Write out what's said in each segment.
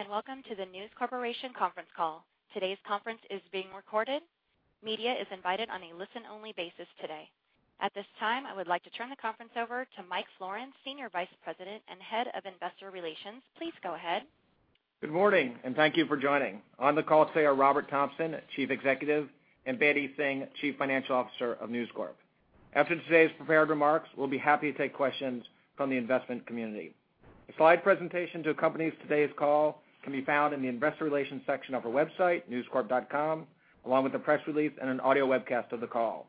Good day, and welcome to the News Corporation conference call. Today's conference is being recorded. Media is invited on a listen-only basis today. At this time, I would like to turn the conference over to Michael Florin, Senior Vice President and Head of Investor Relations. Please go ahead. Good morning. Thank you for joining. On the call today are Robert Thomson, Chief Executive, and Bedi Singh, Chief Financial Officer of News Corp. After today's prepared remarks, we'll be happy to take questions from the investment community. A slide presentation to accompany today's call can be found in the investor relations section of our website, newscorp.com, along with the press release and an audio webcast of the call.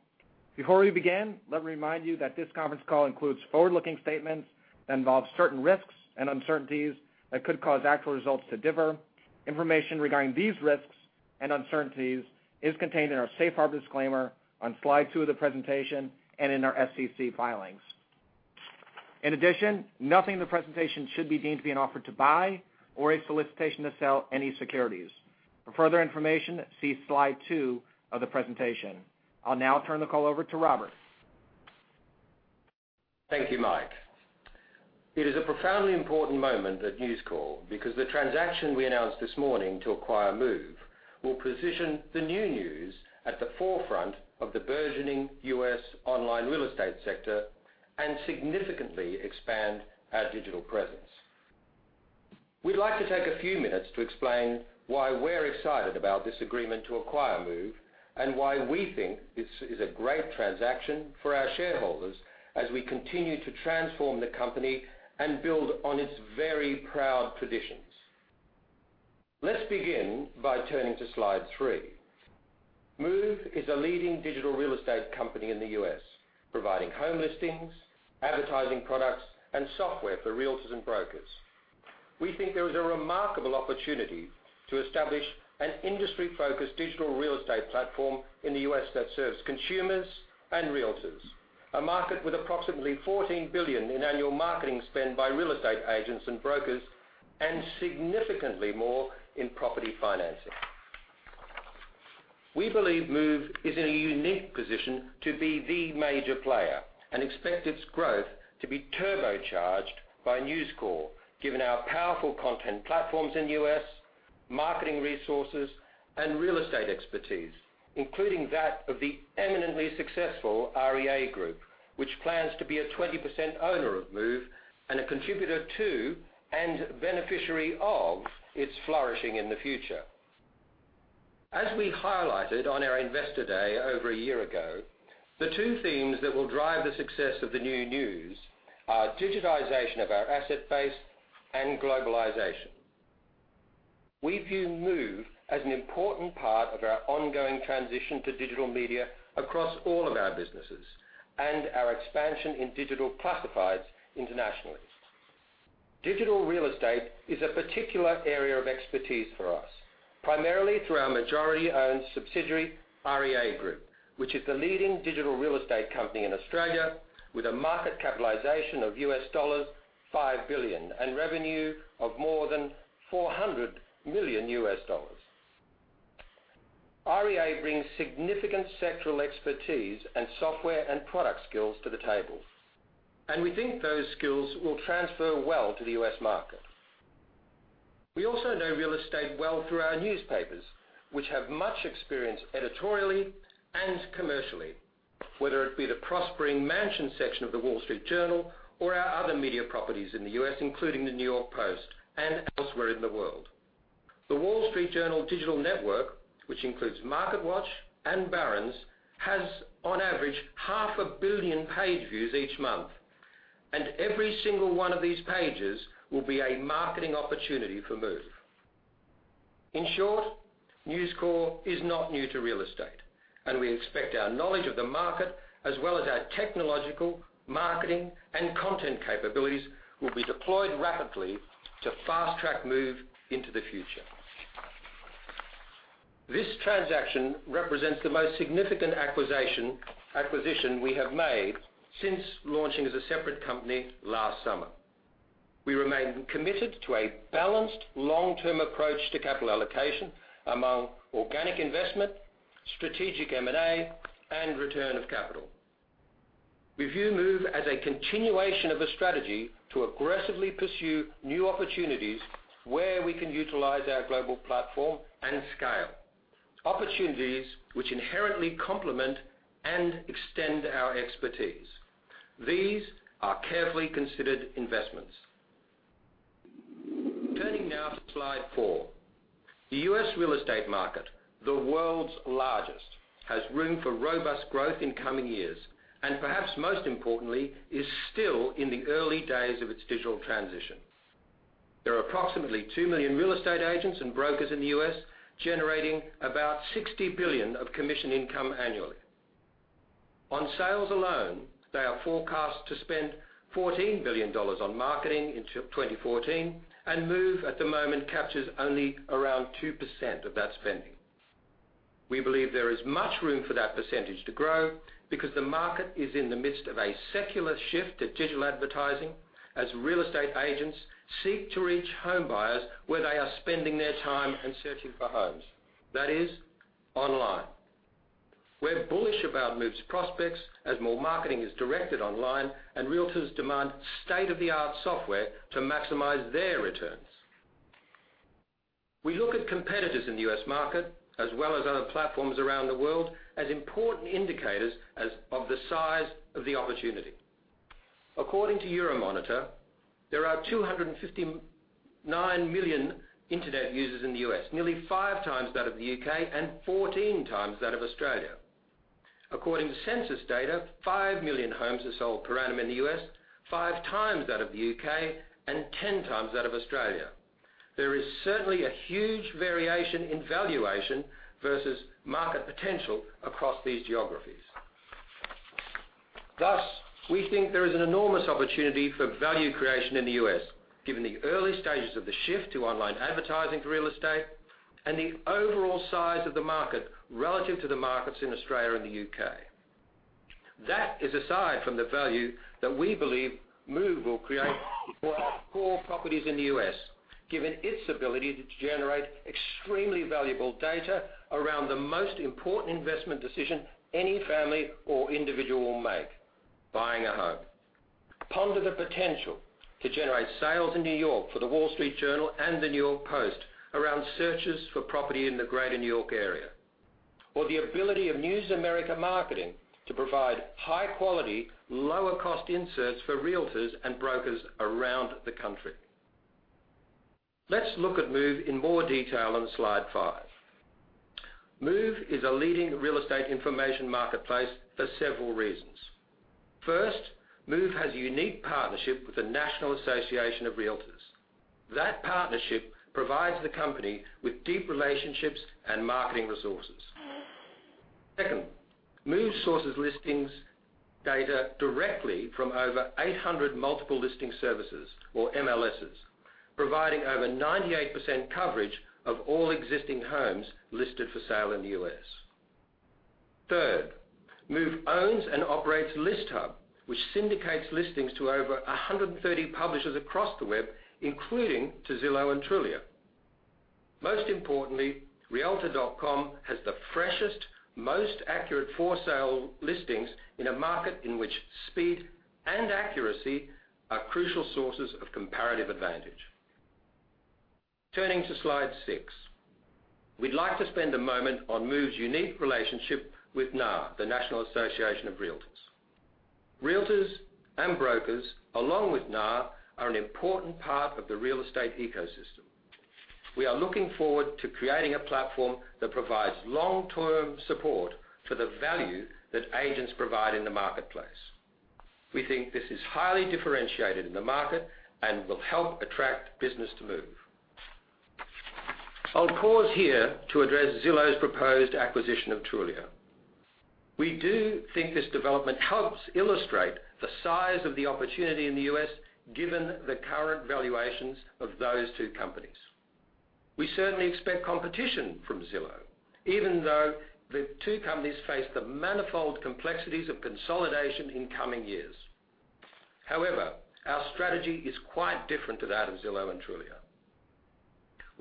Before we begin, let me remind you that this conference call includes forward-looking statements that involve certain risks and uncertainties that could cause actual results to differ. Information regarding these risks and uncertainties is contained in our safe harbor disclaimer on slide two of the presentation and in our SEC filings. Nothing in the presentation should be deemed to be an offer to buy or a solicitation to sell any securities. For further information, see slide two of the presentation. I'll now turn the call over to Robert. Thank you, Mike. It is a profoundly important moment at News Corp because the transaction we announced this morning to acquire Move will position the new News at the forefront of the burgeoning U.S. online real estate sector and significantly expand our digital presence. We'd like to take a few minutes to explain why we're excited about this agreement to acquire Move and why we think this is a great transaction for our shareholders as we continue to transform the company and build on its very proud traditions. Let's begin by turning to slide three. Move is a leading digital real estate company in the U.S., providing home listings, advertising products, and software for realtors and brokers. We think there is a remarkable opportunity to establish an industry-focused digital real estate platform in the U.S. that serves consumers and realtors. A market with approximately $14 billion in annual marketing spend by real estate agents and brokers, and significantly more in property financing. We believe Move is in a unique position to be the major player and expect its growth to be turbocharged by News Corp, given our powerful content platforms in the U.S., marketing resources, and real estate expertise, including that of the eminently successful REA Group, which plans to be a 20% owner of Move and a contributor to and beneficiary of its flourishing in the future. As we highlighted on our Investor Day over a year ago, the two themes that will drive the success of the new News are digitization of our asset base and globalization. We view Move as an important part of our ongoing transition to digital media across all of our businesses and our expansion in digital classifieds internationally. Digital real estate is a particular area of expertise for us, primarily through our majority-owned subsidiary, REA Group, which is the leading digital real estate company in Australia with a market capitalization of $5 billion and revenue of more than $400 million. REA brings significant sectoral expertise and software and product skills to the table, and we think those skills will transfer well to the U.S. market. We also know real estate well through our newspapers, which have much experience editorially and commercially, whether it be the prospering mansion section of The Wall Street Journal or our other media properties in the U.S., including the New York Post, and elsewhere in the world. The Wall Street Journal digital network, which includes MarketWatch and Barron's, has on average half a billion page views each month, and every single one of these pages will be a marketing opportunity for Move. In short, News Corp is not new to real estate, and we expect our knowledge of the market as well as our technological, marketing, and content capabilities will be deployed rapidly to fast-track Move into the future. This transaction represents the most significant acquisition we have made since launching as a separate company last summer. We remain committed to a balanced, long-term approach to capital allocation among organic investment, strategic M&A, and return of capital. We view Move as a continuation of a strategy to aggressively pursue new opportunities where we can utilize our global platform and scale. Opportunities which inherently complement and extend our expertise. These are carefully considered investments. Turning now to slide four. The U.S. real estate market, the world's largest, has room for robust growth in coming years, and perhaps most importantly, is still in the early days of its digital transition. There are approximately 2 million real estate agents and brokers in the U.S., generating about $60 billion of commission income annually. On sales alone, they are forecast to spend $14 billion on marketing in 2014, and Move at the moment captures only around 2% of that spending. We believe there is much room for that percentage to grow because the market is in the midst of a secular shift to digital advertising as real estate agents seek to reach home buyers where they are spending their time and searching for homes. That is online. We're bullish about Move's prospects as more marketing is directed online and realtors demand state-of-the-art software to maximize their returns. We look at competitors in the U.S. market, as well as other platforms around the world, as important indicators of the size of the opportunity. According to Euromonitor, there are 259 million internet users in the U.S., nearly five times that of the U.K. and 14 times that of Australia. According to census data, 5 million homes are sold per annum in the U.S., five times that of the U.K., and 10 times that of Australia. There is certainly a huge variation in valuation versus market potential across these geographies. We think there is an enormous opportunity for value creation in the U.S., given the early stages of the shift to online advertising for real estate and the overall size of the market relative to the markets in Australia and the U.K. That is aside from the value that we believe Move will create for our core properties in the U.S., given its ability to generate extremely valuable data around the most important investment decision any family or individual will make, buying a home. Ponder the potential to generate sales in New York for The Wall Street Journal and The New York Post around searches for property in the greater New York area. The ability of News America Marketing to provide high-quality, lower-cost inserts for Realtors and brokers around the country. Let's look at Move in more detail on slide five. Move is a leading real estate information marketplace for several reasons. First, Move has a unique partnership with the National Association of Realtors. That partnership provides the company with deep relationships and marketing resources. Second, Move sources listings data directly from over 800 multiple listing services, or MLSs, providing over 98% coverage of all existing homes listed for sale in the U.S. Third, Move owns and operates ListHub, which syndicates listings to over 130 publishers across the web, including to Zillow and Trulia. Most importantly, realtor.com has the freshest, most accurate for-sale listings in a market in which speed and accuracy are crucial sources of comparative advantage. Turning to slide six. We'd like to spend a moment on Move's unique relationship with NAR, the National Association of Realtors. Realtors and brokers, along with NAR, are an important part of the real estate ecosystem. We are looking forward to creating a platform that provides long-term support for the value that agents provide in the marketplace. We think this is highly differentiated in the market and will help attract business to Move. I'll pause here to address Zillow's proposed acquisition of Trulia. We do think this development helps illustrate the size of the opportunity in the U.S. given the current valuations of those two companies. We certainly expect competition from Zillow, even though the two companies face the manifold complexities of consolidation in coming years. Our strategy is quite different to that of Zillow and Trulia.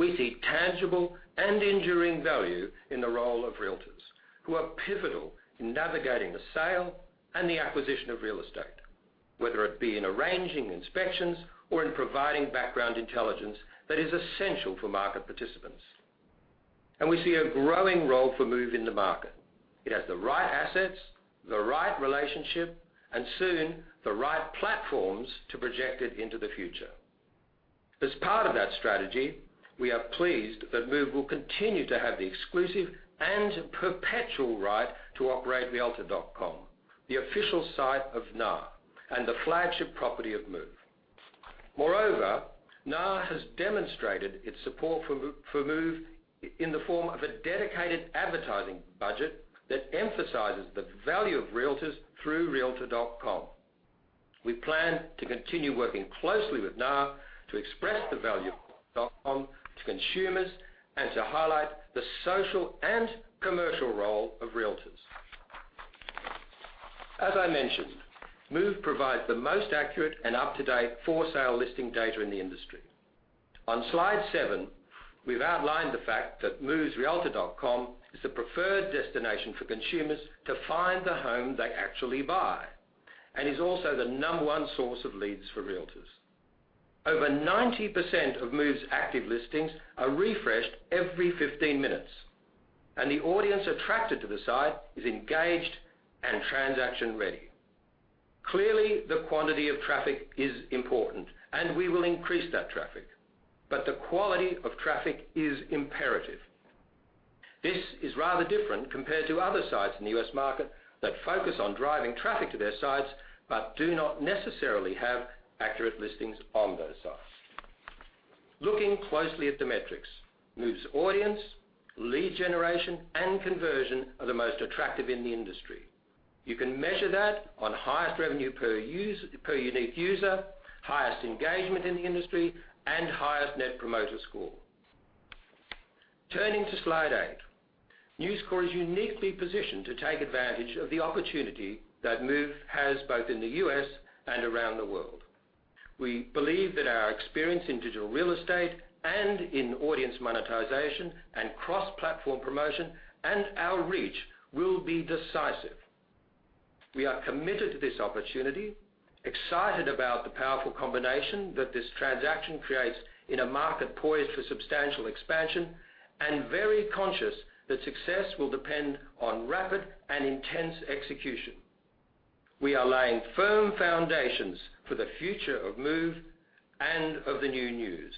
We see tangible and enduring value in the role of Realtors who are pivotal in navigating the sale and the acquisition of real estate, whether it be in arranging inspections or in providing background intelligence that is essential for market participants. We see a growing role for Move in the market. It has the right assets, the right relationship, and soon, the right platforms to project it into the future. As part of that strategy, we are pleased that Move will continue to have the exclusive and perpetual right to operate realtor.com, the official site of NAR and the flagship property of Move. Moreover, NAR has demonstrated its support for Move in the form of a dedicated advertising budget that emphasizes the value of realtors through realtor.com. We plan to continue working closely with NAR to express the value of realtor.com to consumers and to highlight the social and commercial role of realtors. As I mentioned, Move provides the most accurate and up-to-date for-sale listing data in the industry. On slide seven, we've outlined the fact that Move's realtor.com is the preferred destination for consumers to find the home they actually buy and is also the number one source of leads for realtors. Over 90% of Move's active listings are refreshed every 15 minutes, and the audience attracted to the site is engaged and transaction-ready. Clearly, the quantity of traffic is important, and we will increase that traffic, but the quality of traffic is imperative. This is rather different compared to other sites in the U.S. market that focus on driving traffic to their sites but do not necessarily have accurate listings on those sites. Looking closely at the metrics, Move's audience, lead generation, and conversion are the most attractive in the industry. You can measure that on highest revenue per unique user, highest engagement in the industry, and highest Net Promoter Score. Turning to slide eight. News Corp is uniquely positioned to take advantage of the opportunity that Move has both in the U.S. and around the world. We believe that our experience in digital real estate and in audience monetization and cross-platform promotion and our reach will be decisive. We are committed to this opportunity, excited about the powerful combination that this transaction creates in a market poised for substantial expansion, and very conscious that success will depend on rapid and intense execution. We are laying firm foundations for the future of Move and of the new News.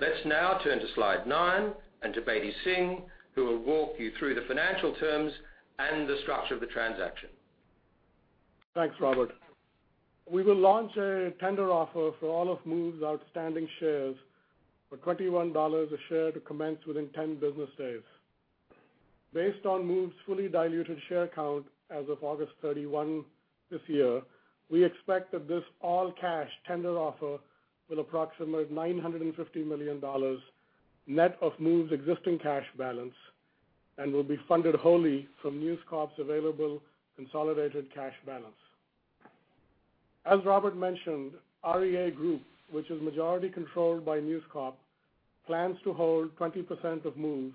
Let's now turn to slide nine and to Bedi Panuccio, who will walk you through the financial terms and the structure of the transaction. Thanks, Robert. We will launch a tender offer for all of Move's outstanding shares for $21 a share to commence within 10 business days. Based on Move's fully diluted share count as of August 31 this year, we expect that this all-cash tender offer will approximate $950 million net of Move's existing cash balance and will be funded wholly from News Corp's available consolidated cash balance. As Robert mentioned, REA Group, which is majority controlled by News Corp, plans to hold 20% of Move,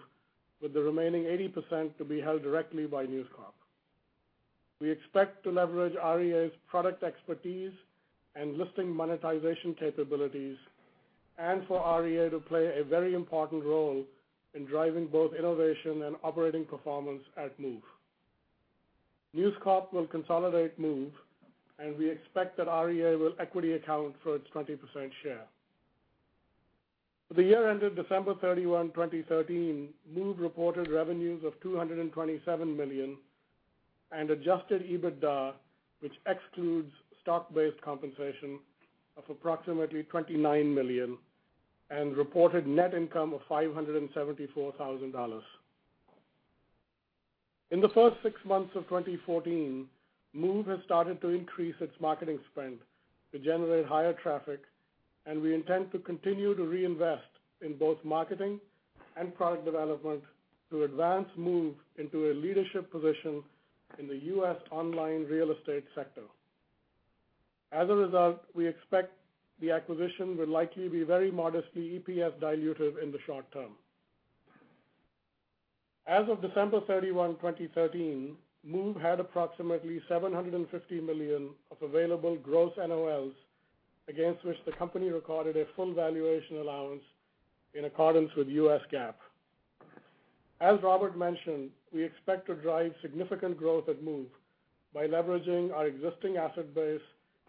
with the remaining 80% to be held directly by News Corp. We expect to leverage REA's product expertise and listing monetization capabilities and for REA to play a very important role in driving both innovation and operating performance at Move. News Corp will consolidate Move, and we expect that REA will equity account for its 20% share. For the year ended December 31, 2013, Move reported revenues of $227 million and adjusted EBITDA, which excludes stock-based compensation, of approximately $29 million and reported net income of $574,000. In the first six months of 2014, Move has started to increase its marketing spend to generate higher traffic, and we intend to continue to reinvest in both marketing and product development to advance Move into a leadership position in the U.S. online real estate sector. As a result, we expect the acquisition will likely be very modestly EPS dilutive in the short term. As of December 31, 2013, Move had approximately $750 million of available gross NOLs, against which the company recorded a full valuation allowance in accordance with U.S. GAAP. As Robert mentioned, we expect to drive significant growth at Move by leveraging our existing asset base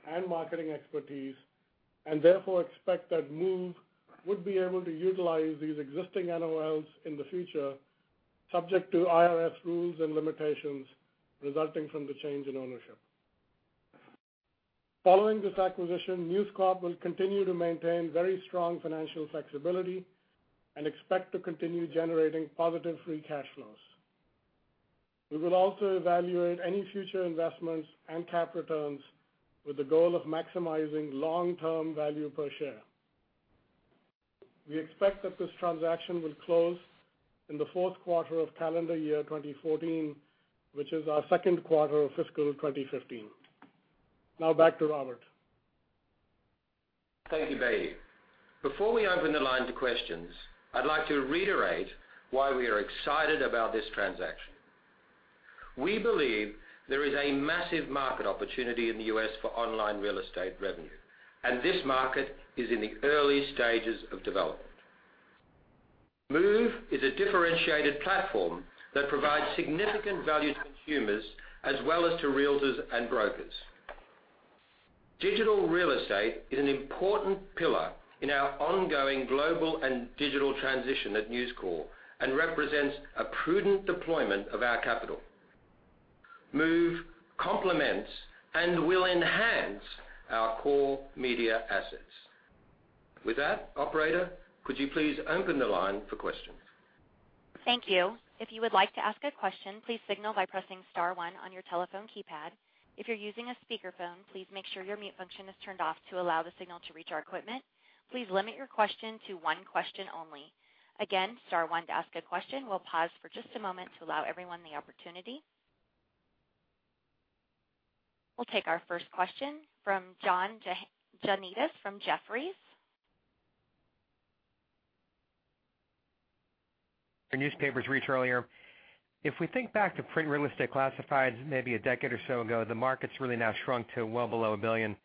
and marketing expertise, and therefore expect that Move would be able to utilize these existing NOLs in the future, subject to IRS rules and limitations resulting from the change in ownership. Following this acquisition, News Corp will continue to maintain very strong financial flexibility and expect to continue generating positive free cash flows. We will also evaluate any future investments and cap returns with the goal of maximizing long-term value per share. We expect that this transaction will close in the fourth quarter of calendar year 2014, which is our second quarter of fiscal 2015. Now back to Robert. Thank you, Bedi. Before we open the line to questions, I'd like to reiterate why we are excited about this transaction. We believe there is a massive market opportunity in the U.S. for online real estate revenue, and this market is in the early stages of development. Move is a differentiated platform that provides significant value to consumers as well as to realtors and brokers. Digital real estate is an important pillar in our ongoing global and digital transition at News Corp and represents a prudent deployment of our capital. Move complements and will enhance our core media assets. With that, operator, could you please open the line for questions? Thank you. If you would like to ask a question, please signal by pressing *1 on your telephone keypad. If you're using a speakerphone, please make sure your mute function is turned off to allow the signal to reach our equipment. Please limit your question to one question only. Again, *1 to ask a question. We'll pause for just a moment to allow everyone the opportunity. We'll take our first question from John Janedis from Jefferies. The newspapers reach earlier. If we think back to print real estate classifieds maybe a decade or so ago, the market's really now shrunk to well below $1 billion.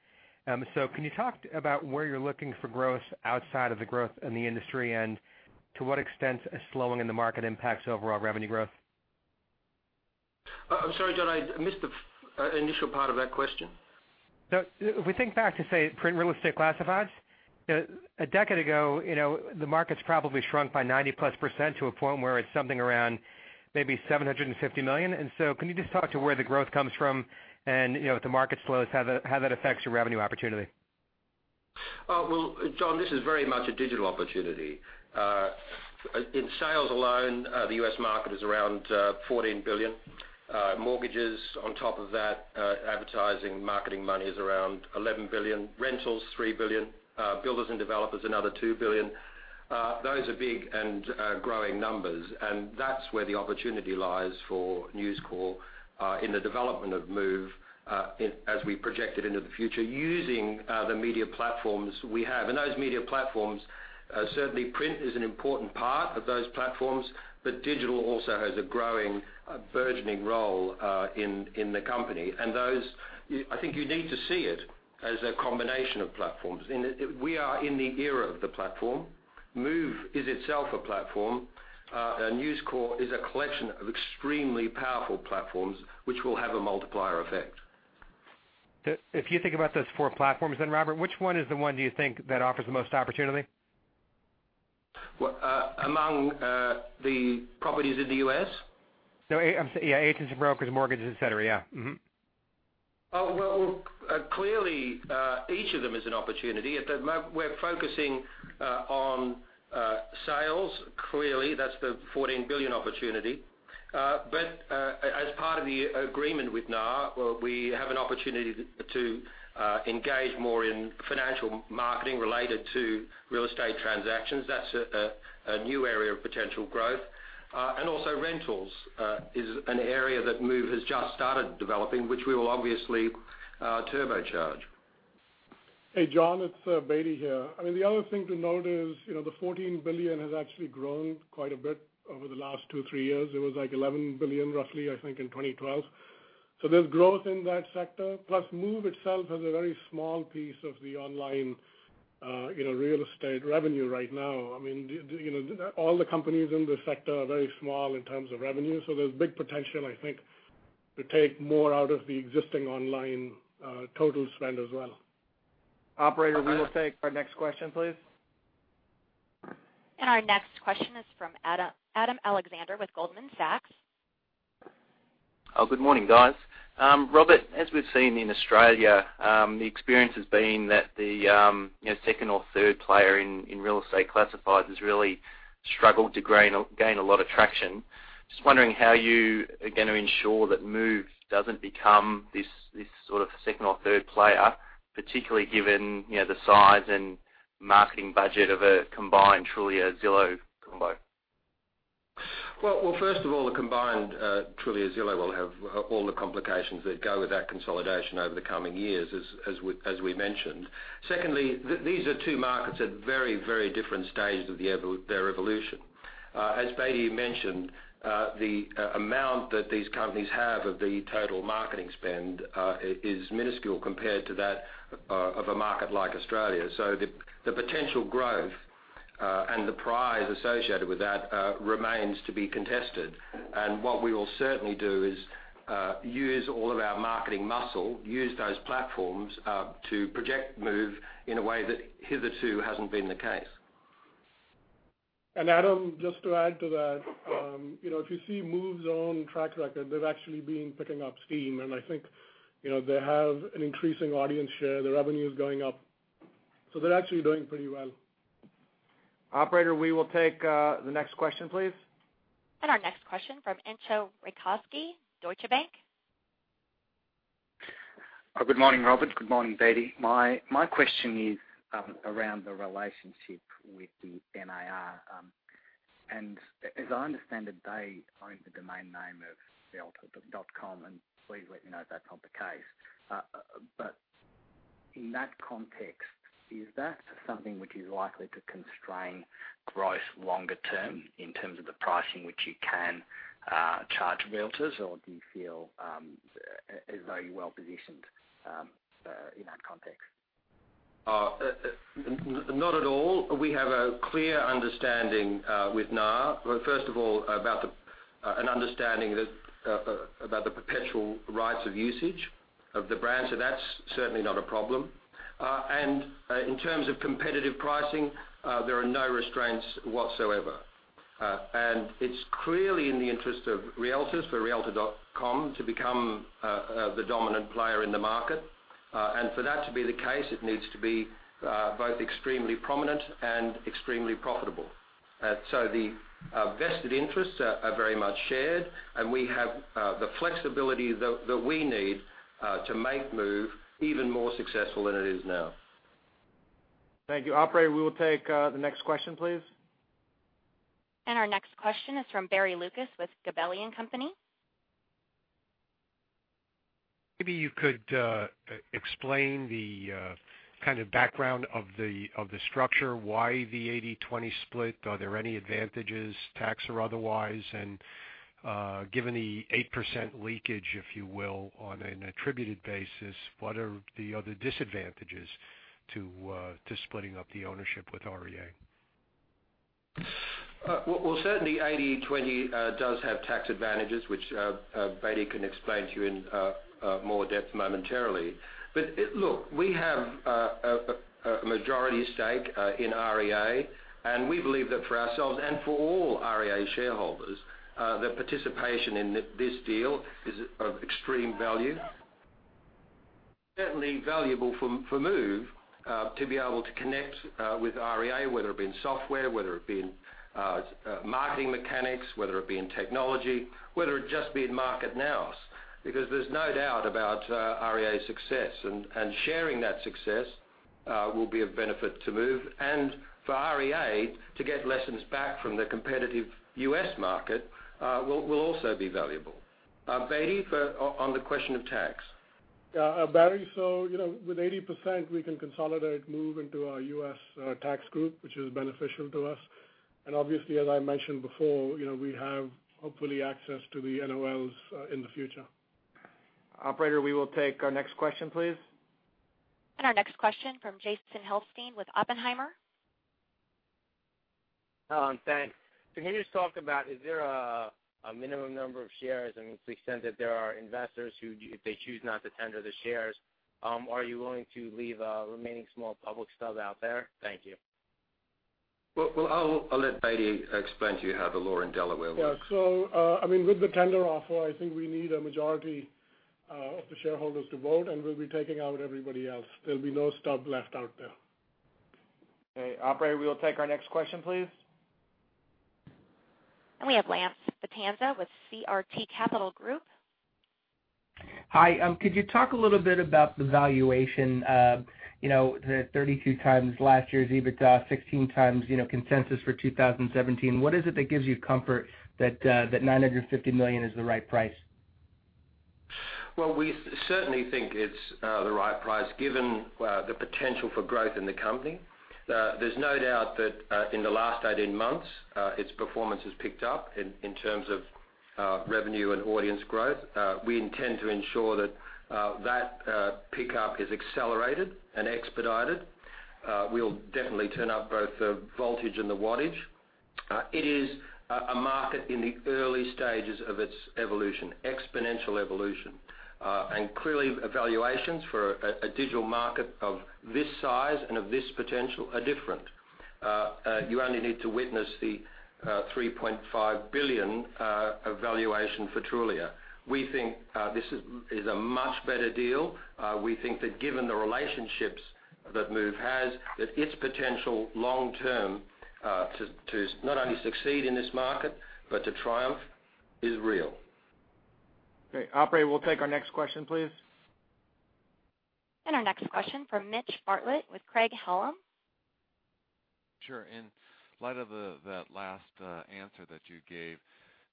Can you talk about where you're looking for growth outside of the growth in the industry, and to what extent a slowing in the market impacts overall revenue growth? I'm sorry, John, I missed the initial part of that question. No. If we think back to, say, print real estate classifieds, a decade ago, the market's probably shrunk by 90%-plus to a point where it's something around maybe $750 million. Can you just talk to where the growth comes from and, if the market slows, how that affects your revenue opportunity? Well, John, this is very much a digital opportunity. In sales alone, the U.S. market is around $14 billion. Mortgages on top of that, advertising, marketing money is around $11 billion. Rentals, $3 billion. Builders and developers, another $2 billion. Those are big and growing numbers. That's where the opportunity lies for News Corp in the development of Move as we project it into the future using the media platforms we have. Those media platforms, certainly print is an important part of those platforms, but digital also has a growing, burgeoning role in the company. Those, I think you need to see it as a combination of platforms. Move is itself a platform. News Corp is a collection of extremely powerful platforms, which will have a multiplier effect. If you think about those four platforms, Robert, which one is the one do you think that offers the most opportunity? Among the properties in the U.S.? No, I'm saying, agents and brokers, mortgages, et cetera, yeah. Mm-hmm. Well, clearly, each of them is an opportunity. At the moment, we're focusing on sales. Clearly, that's the $14 billion opportunity. As part of the agreement with NAR, we have an opportunity to engage more in financial marketing related to real estate transactions. That's a new area of potential growth. Also rentals is an area that Move has just started developing, which we will obviously turbocharge. Hey, John, it's Bedi here. The other thing to note is, the $14 billion has actually grown quite a bit over the last two, three years. It was like $11 billion roughly, I think, in 2012. There's growth in that sector. Plus Move itself has a very small piece of the online real estate revenue right now. All the companies in the sector are very small in terms of revenue, so there's big potential, I think, to take more out of the existing online total spend as well. Operator, we will take our next question, please. Our next question is from Adam Alexander with Goldman Sachs. Good morning, guys. Robert, as we've seen in Australia, the experience has been that the second or third player in real estate classifieds has really struggled to gain a lot of traction. Just wondering how you are going to ensure that Move doesn't become this sort of second or third player, particularly given the size and marketing budget of a combined Trulia Zillow combo. Well, first of all, the combined Trulia Zillow will have all the complications that go with that consolidation over the coming years as we mentioned. Secondly, these are two markets at very different stages of their evolution. As Beatty mentioned, the amount that these companies have of the total marketing spend is minuscule compared to that of a market like Australia. The potential growth, and the prize associated with that, remains to be contested. What we will certainly do is use all of our marketing muscle, use those platforms to project Move in a way that hitherto hasn't been the case. Adam, just to add to that. If you see Move's own track record, they've actually been picking up steam, and I think they have an increasing audience share. Their revenue is going up. They're actually doing pretty well. Operator, we will take the next question, please. Our next question from Entcho Raykovski, Deutsche Bank. Good morning, Robert. Good morning, Beatty. My question is around the relationship with the NAR. As I understand it, they own the domain name of realtor.com, and please let me know if that's not the case. In that context, is that something which is likely to constrain growth longer term in terms of the pricing which you can charge realtors, or do you feel it's very well-positioned in that context? Not at all. We have a clear understanding with NAR, first of all, an understanding about the perpetual rights of usage of the brand, so that's certainly not a problem. In terms of competitive pricing, there are no restraints whatsoever. It's clearly in the interest of realtors for realtor.com to become the dominant player in the market. For that to be the case, it needs to be both extremely prominent and extremely profitable. The vested interests are very much shared, and we have the flexibility that we need to make Move even more successful than it is now. Thank you. Operator, we will take the next question, please. Our next question is from Barry Lucas with Gabelli & Company. Maybe you could explain the kind of background of the structure, why the 80-20 split. Are there any advantages, tax or otherwise? Given the 8% leakage, if you will, on an attributed basis, what are the other disadvantages to splitting up the ownership with REA? Well, certainly 80-20 does have tax advantages, which Beatty can explain to you in more depth momentarily. Look, we have a majority stake in REA, and we believe that for ourselves and for all REA shareholders, that participation in this deal is of extreme value. Certainly valuable for Move to be able to connect with REA, whether it be in software, whether it be in marketing mechanics, whether it be in technology, whether it just be in market nous, because there's no doubt about REA's success, and sharing that success will be of benefit to Move. For REA to get lessons back from the competitive U.S. market will also be valuable. Beatty, on the question of tax? Yeah, Barry. With 80%, we can consolidate Move into our U.S. tax group, which is beneficial to us. Obviously, as I mentioned before, we have, hopefully, access to the NOLs in the future. Operator, we will take our next question, please. Our next question from Jason Helfstein with Oppenheimer. Thanks. Can you just talk about, is there a minimum number of shares? I mean, to the extent that there are investors who, if they choose not to tender the shares, are you willing to leave a remaining small public stub out there? Thank you. Well, I'll let Beatty explain to you how the law in Delaware works. Yeah. With the tender offer, I think we need a majority of the shareholders to vote, and we'll be taking out everybody else. There'll be no stub left out there. Okay, operator, we will take our next question, please. We have Lance Vitanza with CRT Capital Group. Hi. Could you talk a little bit about the valuation of the 32x last year's EBITDA, 16x consensus for 2017? What is it that gives you comfort that $950 million is the right price? Well, we certainly think it's the right price given the potential for growth in the company. There's no doubt that in the last 18 months, its performance has picked up in terms of revenue and audience growth. We intend to ensure that that pickup is accelerated and expedited. We'll definitely turn up both the voltage and the wattage. It is a market in the early stages of its evolution, exponential evolution. Clearly, evaluations for a digital market of this size and of this potential are different. You only need to witness the $3.5 billion valuation for Trulia. We think this is a much better deal. We think that given the relationships that Move has, that its potential long term to not only succeed in this market, but to triumph, is real. Okay. Operator, we'll take our next question, please. Our next question from Mitchell Bartlett with Craig-Hallum. Sure. In light of that last answer that you gave,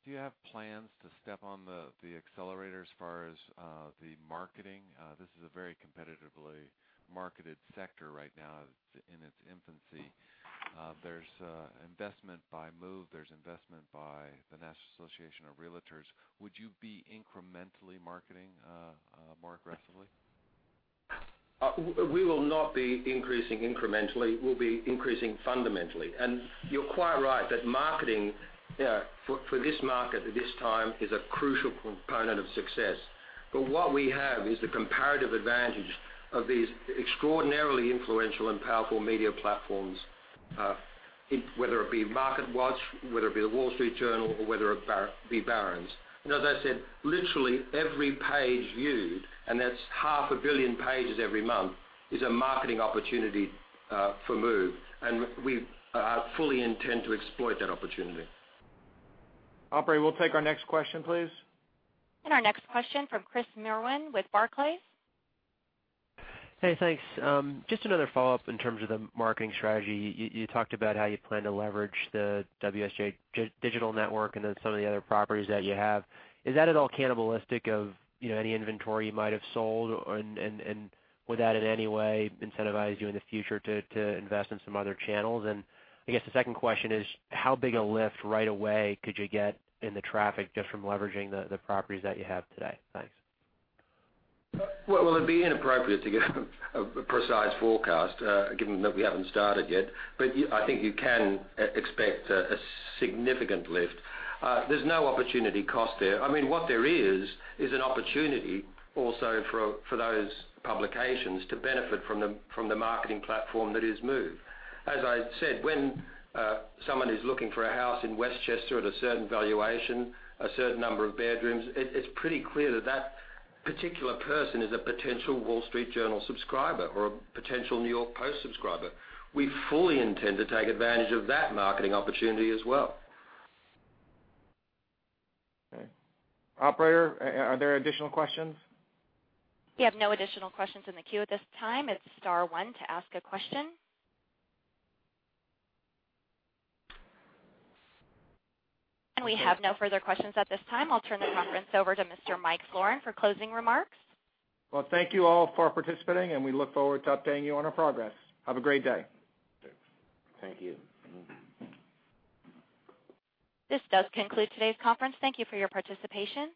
do you have plans to step on the accelerator as far as the marketing? This is a very competitively marketed sector right now in its infancy. There's investment by Move. There's investment by the National Association of Realtors. Would you be incrementally marketing more aggressively? We will not be increasing incrementally. We'll be increasing fundamentally. You're quite right that marketing for this market at this time is a crucial component of success. What we have is the comparative advantage of these extraordinarily influential and powerful media platforms, whether it be MarketWatch, whether it be The Wall Street Journal, or whether it be Barron's. As I said, literally every page viewed, and that's half a billion pages every month, is a marketing opportunity for Move, and we fully intend to exploit that opportunity. Operator, we'll take our next question, please. Our next question from Chris Merwin with Barclays. Hey, thanks. Just another follow-up in terms of the marketing strategy. You talked about how you plan to leverage the WSJ digital network then some of the other properties that you have. Is that at all cannibalistic of any inventory you might have sold? Would that in any way incentivize you in the future to invest in some other channels? I guess the second question is, how big a lift right away could you get in the traffic just from leveraging the properties that you have today? Thanks. Well, it'd be inappropriate to give a precise forecast, given that we haven't started yet. I think you can expect a significant lift. There's no opportunity cost there. What there is an opportunity also for those publications to benefit from the marketing platform that is Move. As I said, when someone is looking for a house in Westchester at a certain valuation, a certain number of bedrooms, it's pretty clear that that particular person is a potential Wall Street Journal subscriber or a potential New York Post subscriber. We fully intend to take advantage of that marketing opportunity as well. Okay. Operator, are there additional questions? We have no additional questions in the queue at this time. It's star one to ask a question. We have no further questions at this time. I'll turn the conference over to Mr. Mike Florin for closing remarks. Well, thank you all for participating, and we look forward to updating you on our progress. Have a great day. Thanks. Thank you. This does conclude today's conference. Thank you for your participation